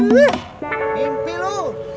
wih mimpi lu